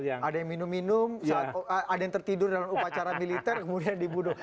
ada yang minum minum ada yang tertidur dalam upacara militer kemudian dibunuh